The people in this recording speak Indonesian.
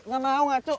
gak mau gak cu